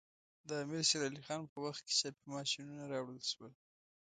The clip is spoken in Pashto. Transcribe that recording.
د امیر شیر علی خان په وخت کې چاپي ماشینونه راوړل شول.